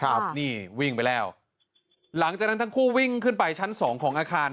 ครับนี่วิ่งไปแล้วหลังจากนั้นทั้งคู่วิ่งขึ้นไปชั้นสองของอาคาร